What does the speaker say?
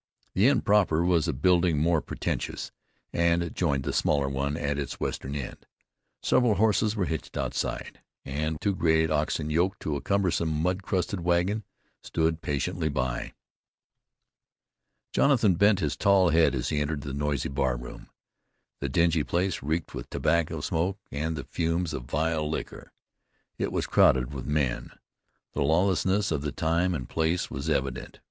The inn proper was a building more pretentious, and joined the smaller one at its western end. Several horses were hitched outside, and two great oxen yoked to a cumbersome mud crusted wagon stood patiently by. Jonathan bent his tall head as he entered the noisy bar room. The dingy place reeked with tobacco smoke and the fumes of vile liquor. It was crowded with men. The lawlessness of the time and place was evident.